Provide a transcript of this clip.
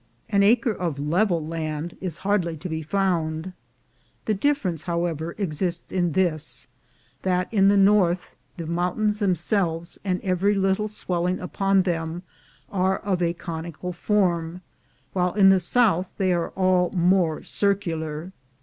An acre of level land is hardly to be found. The difference, however, exists in this, that in the north the mountains them selves, and every little swelling upon them, are of a conical form, while in the south they are all more circular.